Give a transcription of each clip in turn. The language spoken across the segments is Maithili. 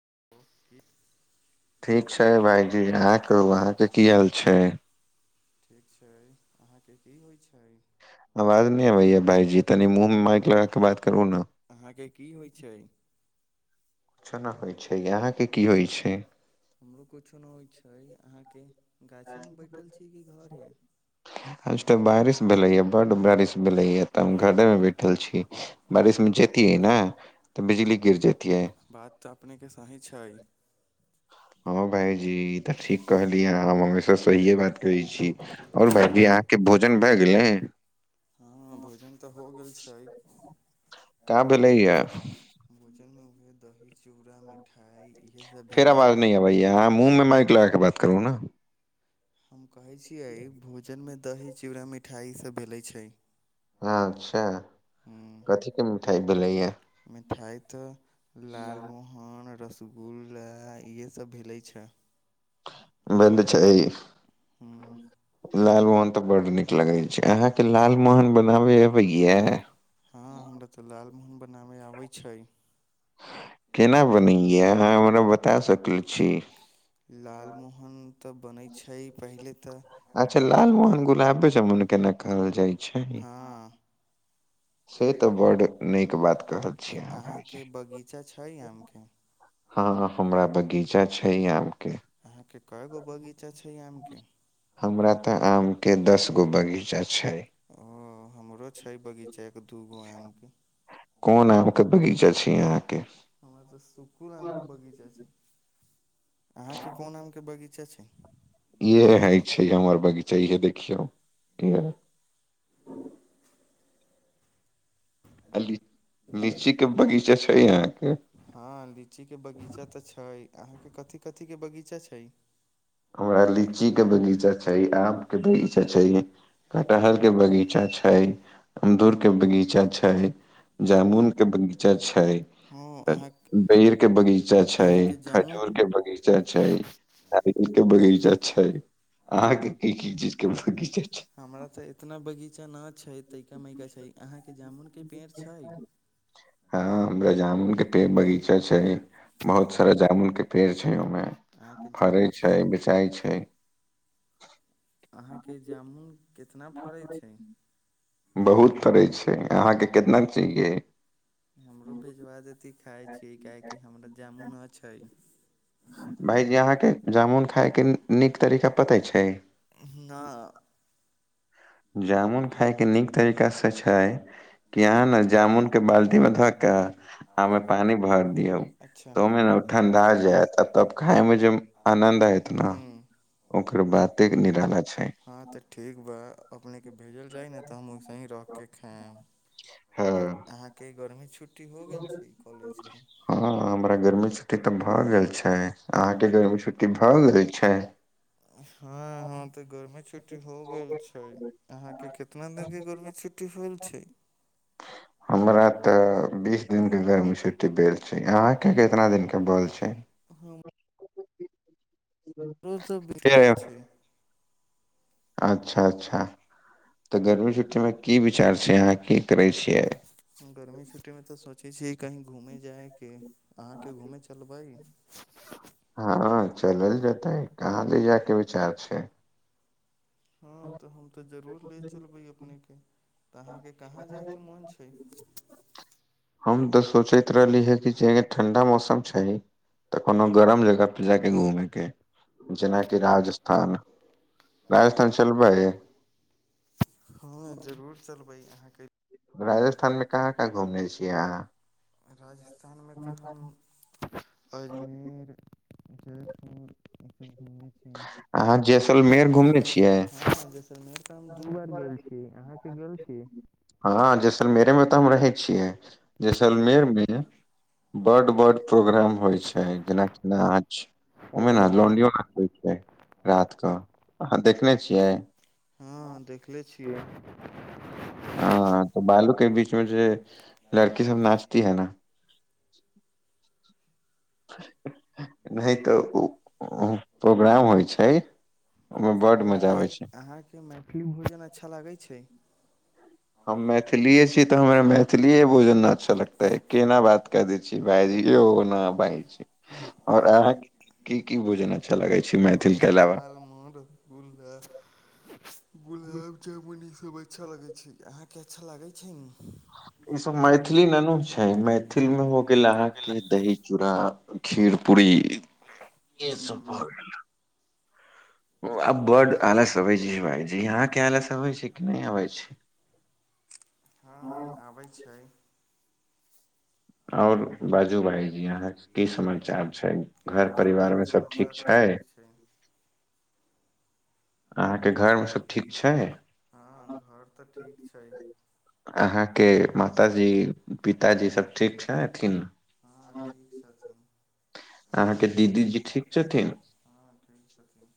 [inaudible] ठीक छै भाायजी अहाँ कहू अहाँके की हाल छै ठीक छै अहाँके की होइ छै आवाज नहि अ भैया भाइ जी तानी मुंह मे माइक लगा के बात करू न आे की होइ छै किछो नहि होइ छै अहाँके की होइत छै हमरो किछो नहि होइ छै अहाँके गाछी मे बैठल छी कि घरे आज तऽ बारिश भेलै बड बारिश भेलै त [unintelligible] घरे मे बैठल छी बारिश में जतियये ने तऽ बिजली गिर जेत बात तऽ अपनेके सही छै हँ भाायजी ई तऽ ठीक कहलियै हम हमेशा सहिए बात करै छी आओर भाईजीह भोजन भए गेलै हँ भोजन तऽ हो गेल छै क भेलै भोजन मे दही चूड़ा मिठाइ फेर आवाज न अबैयाँ मुँह में माइक लग के बात करू ने हम कहै छियै भोजनमे दही चिड़ा मिठाई ईसभ भेलै छै अच्छा कथी के मिठाइ भैलय या मिठाइ त लाल मोहन रस सुगुल इहे सब भेले छ बन्द छैइ हूँ लालमोहन तऽ बड नीक लगै छै अहाँके लालमोहन बनाबे अबै यए हँ हमरा तऽ लाल मोहन ब नामे आबै छै केना बनें या अहाँ हमरा बता सक कल्ष [unintelligible] लालमोहन तऽ बनै छै पहिले तऽ अच्छा लालमोहन गुलाबे जामुन के ने कहल जाइ छै छैी हँ से तऽ बड्ड नीक बात कहल तऽ छीियै अहाँ भायजी अहाँके बगीचा छै आमके हँ हमरा बगीचा छै आम के अहाँके कय गो बगीचा छै आमके हमरा ते आम के दस गो बगीचा छै ओ हमरो छै बगीचे के क दू गो आमके कोन आम के बगीचा छै यहाँ हमर तऽ सुखुर आमके बगीचा छै [unintelligible] अहाँके कोन आमके बगीचा छै इ ह छै हमर बगीचा चहिए देखियौ अल लीची के बगीचा छै यहाँके हँ लीचीके बगीचा तऽ छै अहाँके कथी कथी के बगीचा छै हमरा लीची के बगीचा छै छै आम के बगीचा छै कटहर के बगीचा छै अमदूर के बगीचा छै जामुन के बगीचा छै हँ अहाँ बेर के बगीचा छै अहाँके जामुन खजूर के बगीचा छै बगीचा छै अहाँ के की की चीज के बगीचा छै हमरा तऽ इतना बगीचा न छै तयका मयका छै अहाँके जामुनके पेड़ छै हँ हमरा जामुन के पेड़ बगीचा छै बहुत सारा जामुन के पेड़ छै ओमें अहाँके जामुन बेचइ छै अहाँके जामुन कितना फड़ै छै बहुत फड़ै छै अहाँके केतना चाहियै हमरो भेजबा देती खाइ छियै काहेकि हमरा जामुन न छै भायजी अहाँके जामुन खाायके नीक तरीका पता छै ना जामुन खायके नीक तरीकासँ छै कि यहाँ ने जामुन के बाल्टी मे धोकऽ आ पानी भर दियौ अच्छा त ओहिमे ने ठंडा जायत तब खाय मे जे आनन्द आयत ने हूँ एकर बाते निराला छै हँ तऽ ठीक बा अपने के भेजल जै ने तऽ हम उसेने रख के गैस हँ आंहा के ह छूट [inaudible] हँ हमरा गरमी छुटी छुट्टी तऽ भए गेल छै अहाँके गरमी छुट्टी भए गेल छै हँ ह तऽ गर्मी छुट्टी हो गेल छै अहाँके कितना दिन के गर्मी छुट्टी होल छै हमरा तऽ बीस दिन के गरमी छुट्टी भेल छै अंहा के कितना दिन के भेल छै ह [inaudible] रोज भ भेल छै [unintelligible] अच्छा अच्छा तऽ गर्मी छुट्टीमे की विचार छै अहाँ की करै छियै गर्मी छुटी मे तऽ सोच छियै से कहीं घूमे जायके अहाँके घूमे चलबै हँ चलल जेतै कहाँ ले जाय के विचार छै हँ तऽ हम तऽ जरूर ले चलबै अपने के तऽ अहाँके कहाँ जायके मोन छै हम तऽ सोचैत रहली है कि जे ठंडा मौसम छै तऽ कोनो गरम जगह पे जायके घूमेके जेनाकि राजस्थान राजस्थान चलबै हँ जरूर चल बै घुमने छियै अहाँ राज स्थानमे तऽ हम अजमेर जयपुर [unintelligible] अहाँ जैसलमेर घूमने छियै [unintelligible] हँ जैसेलमेर तऽ हम दू बार गेल छी अहाँके गेल छी खतम रहै छियै जैसलमेरमे बड बड प्रोग्राम होइ छै जेनाकि नाच ओ ओमे ने लियो रात कऽ अहाँ देखने छियै हँ देखले छियै कै बीच मे जे लड़की सब नाचती है न नहि तऽ ओ ओहिमे बड अहाँ मजा के आबै छै अहाँ के मैथिली भोजन अच्छा लागैछै हम मैथिलीए छी तऽ हमर मैथिली भोजन न अच्छा लगतै है केना बात क दै छी भाइजी य न भइज और अहाँ की की भोजन ह ह लाल म गुला गुलाब जामुन इ सब खूब अच्छा लगै छै अहाँके अच्छा लागै छै ने ई सब मैथिली ननू छै मैथिल मे हो गेल अहाँके दही चूड़ा खीर पुरी ए हँ सब भ गेल आब बड आलस अबै छै भायजी अहाँके आलस अबै छै कि नहि अबै छै हँ आबै छै आओर बाजू भाई जी अहाँके की समाचार छै घर आओर सभ तऽ परिवारमे सब ठीक समाचार छै अहाँके घरमे सभ ठीक छै हँ घर तऽ ठीक छै अहाँके माताजी पिताजी सब ठीक छथिन हँ ठीक छथिन [unintelligible] अहाँके दीदीजी ठीक छथिन हँ ठीक छथिन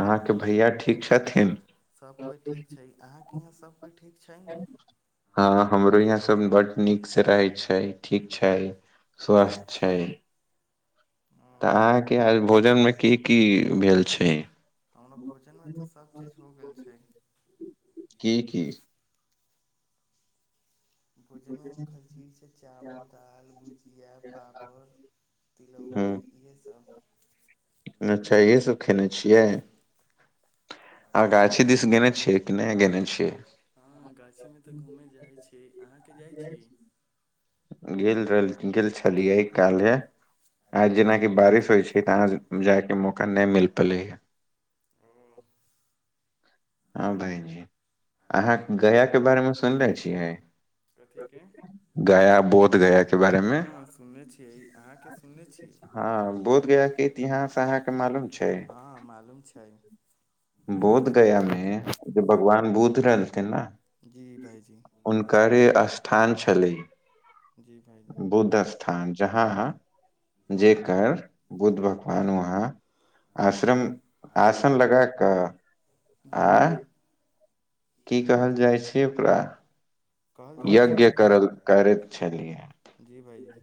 अहाँके भैया ठीक छथिन सभ कोइ ठीक छै अहाँके यहाँ सभ कोइ ठीक छै ने हँ हमरो यहाँ सब बड नीक से रहैत छै ठीक छैक स्वस्थ छैक हँ तऽ अहाँके भोजनमे की की भेल छैक हमरा भोजनमे तऽ सभचीज हो गेल छै की की भोजन खै च छै चावल दालि भुजिया पापड़ ह तिलौरी इएहसभ [unintelligible] अच्छा यहसभ खयने छियैक आ गाछी दिस गेने छिये की नहि गेने छियैक हँ गाछीमे तऽ घूमै जाइ छी अहाँके जाइ छी [inaudible] गेल रहल गेल छलियै काल्हे आज जेनाकि बारिश होइत छैक तऽ अहाँ जाय केँ मौका नहि मिल पले ओ [inaudible] हँ भायजी अहाँ गया केँ बारे मे सुनले छियैक कथीके गया बोध गया केंँ बारे मे हँ सुनने छियै अहाँके सुनने छियै हँ बोध गया केँ इतिहास अहाँके मालूम छैक हँ मालूम छै बोध गया मे हें जे भगवान बुद्ध बुद्ध रहलथिे ने जी भाइजी हुनकर स्थान छलै जी भाइजी बुद्ध स्थान जहाँ जेकर बुद्ध भगवान वहाँ आश्रममे आसन लगााकऽ जी भाइजी आँ की कहल जाइत छैक ओकरा कहल जाउ छै यज्ञ करल ने करैत छलिय भाइजी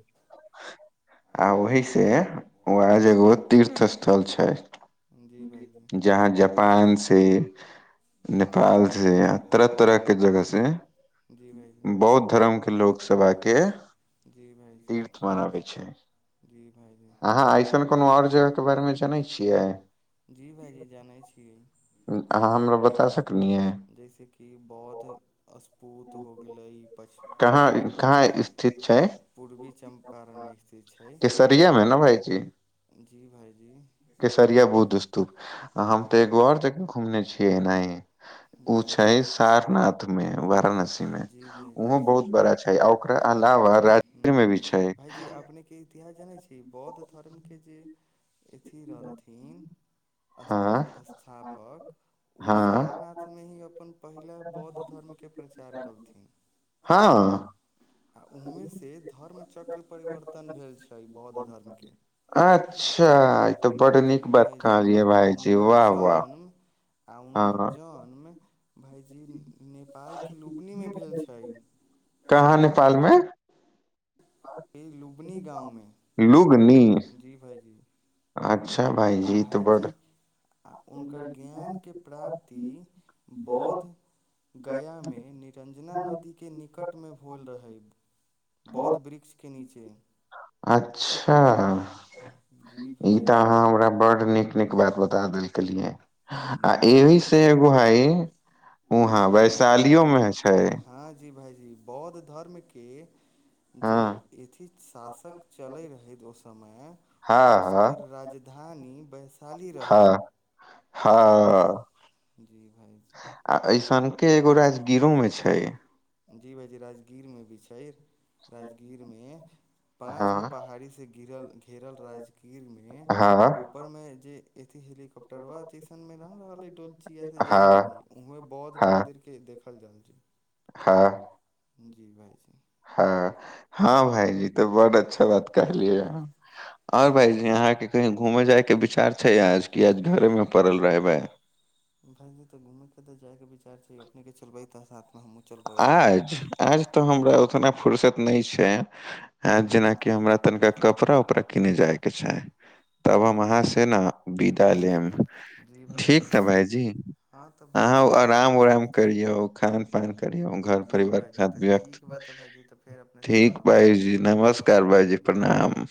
आ ओही से वज एगो तीर्थ स्थल छैक जी भाइजी जी भाइजी जहाँ जापान से नेपाल से य तरह तरहकेँ जगह से जी भाइजी बौद्ध धर्मकेँ लोकसभ आकेँ जी भाइजी तीर्थ मानाबय छैक जी भाइजी अहाँ ऐसन कोनो आर जगह केँ बारेमे जानै छियै जी अहाँ बता सकलियै जैस की बौद्ध अस्पुत हो गेलै पछ कहाँ पूर्वी कहाँ स्थित छै पूर्वी चंपारण मे स्थित छै [inaudible] केसरिया मे ने भाइजी जी भाइजी केसरिया बुध स्तूप आ हम तऽ एगो ओर जगह घुमने छी नहि ओ छै सारनाथ मे वारणसी मे जी ओहो भाइजी बहुत बड़ा छैक आ ओकरा अलावा राजगीर मे भी छैक भाइ जनै छी बौद्ध धर्म केँ जे अथी रहलथिन अस हँ अस्थापक [inaudible] ऊ हँ सारनाथ [inaudible] में ही अपन पहिला बौद्ध धर्मके प्रचार कलथिन हँ आ ओहएँसँ धर्म चक्र परिवर्तन भेल छै बौद्ध धर्मके अच्छा ई तऽ बड़ नीक जी बात भायजी कहलियै भाायजी वाह वाह आउनकर हँ जन्म भइजी नेपालके लुबनी मे भेल छै कहाँ ई लुबनी गाँवमे लुबनी जी भायजी अच्छा भाइ आ जीत बड़ भायजी आ हुनकर ज्ञानके प्राप्ति बौद्धगयामे निरञ्जना नदीके निकटमे भेल रहै बौद्ध वृक्ष अच्छा जी ई तऽ अहाँ भाइजी हमरा बड़ नीक नीक ात बता दिलकेियए जी आ एहि से भाइजी एगो हई वहाँ वैशालीयो मे छै हँ जी बौद्ध धर्म के जे हँ अथी शासक चलैत रहै ओ समय हँ हँ ओकर राजधानी वैशाली रहै हँ हँ जी भाइजी आ ऐसनके एगो राजगीरो मे छै जी भाइजी राजगीरमे भी छै राजगीरमे पाँच गो हँ पहाड़ी से गिरल घेरल राज ीर मे हँ ऊपर में जेथ हेलिकॉप्टर बा जसन में रह रहल है डोल छ से जल हँ जलै उह बौद्ध हँ मन्दिर के देखल हँ जी हाँ जी हँ जी भाइ हँ हँ भाायजी तऽ बड्ड अच्छा बात कहलियै ह आओर भाायजी अहाँके कहीँ घूमय जायके विचार छै आज कि आज घरेमे पड़ल रहय भा भायी त घूमे के तऽ जाय के विचार छै अपने केल पै तसथ आज आज तऽ हमरा उतना फुुरसत नहि छैक ह जेनाकि हमरा तनिका कपड़ा उपड़ा किने जाय कि छैक तब हम जी अहाँ से ने विदा लेब जी भाइजी ठीक ने भायजी हँ तऽ अहाँ भाइजी तऽ आराम उराम करियौ खान पान कर घर जी परिवार सा भाइजी तऽ व्त ठीक बा तऽ भाइजी तऽ फेर अपनेसँ ठीक बादमे बात भाइजी होइ ठीक नमस्कार बा भाइजी प्रणाम नमस्कार